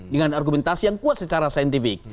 dengan argumentasi yang kuat secara saintifik